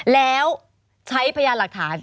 แล้วใช้พยานหลักฐาน